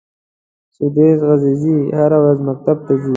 سُدیس عزیزي هره ورځ مکتب ته ځي.